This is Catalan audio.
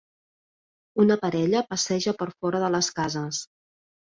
una parella passeja per fora de les cases